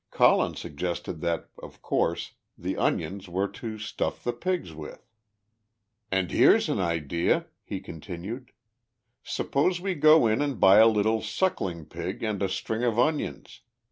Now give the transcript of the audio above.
Colin suggested that, of course, the onions were to stuff the pigs with. "And here's an idea," he continued. "Suppose we go in and buy a little suckling pig and a string of onions.